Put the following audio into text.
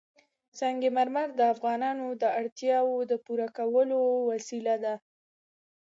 سنگ مرمر د افغانانو د اړتیاوو د پوره کولو وسیله ده.